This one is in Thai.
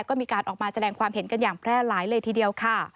ก็มีการออกมาแสดงความเห็นกันอย่างแพร่หลายเลยทีเดียวค่ะ